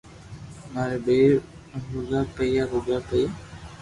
ماري ٻئير روگا پيئا روگا ئيئا